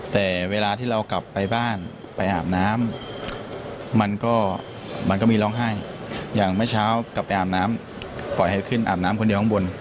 แต่เวลาที่เรากลับไปบ้านไปอาบน้ำมันก็มันก็มีร้องไห้อย่างเมื่อเช้ากลับไปอาบน้ำปล่อยให้ขึ้นอาบน้ำคนเดียวข้างบน